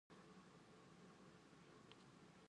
bus itu tidak terkejar olehnya